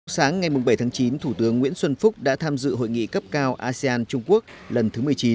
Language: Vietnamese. sáng ngày bảy tháng chín thủ tướng nguyễn xuân phúc đã tham dự hội nghị cấp cao asean trung quốc lần thứ một mươi chín